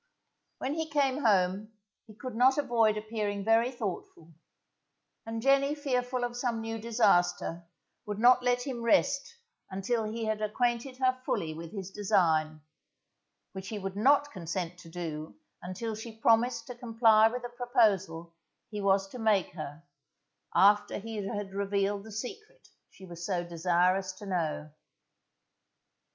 When he came home, he could not avoid appearing very thoughtful, and Jenny fearful of some new disaster, would not let him rest until he had acquainted her fully with his design, which he would not consent to do until she promised to comply with a proposal he was to make her, after he had revealed the secret she was so desirous to know.